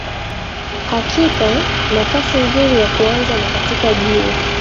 Hakika nafasi nzuri ya kuanza ni katika jiwe